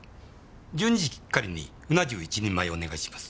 １２時きっかりにうな重一人前お願いします。